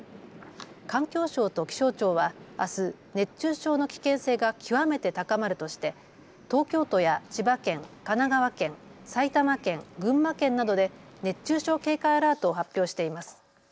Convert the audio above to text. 環境省と気象庁はあす熱中症の危険性が極めて高まるとして東京都や千葉県、神奈川県、埼玉県、群馬県などで熱中症警戒アラートを発表しています。